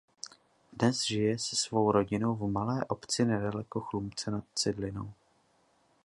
Dnes žije se svou rodinou v malé obci nedaleko Chlumce nad Cidlinou.